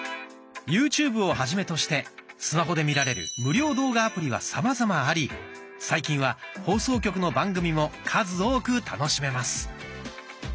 「ＹｏｕＴｕｂｅ」をはじめとしてスマホで見られる無料動画アプリはさまざまあり最近は放送局の番組も数多く楽しめます。